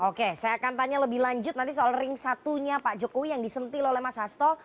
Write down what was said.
oke saya akan tanya lebih lanjut nanti soal ring satunya pak jokowi yang disentil oleh mas hasto